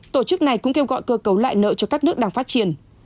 tổ chức này cũng kêu gọi cơ cấu lại nợ cho các nước đang phát triển